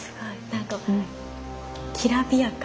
なんかきらびやか。